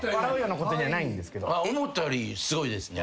思ったよりすごいですね。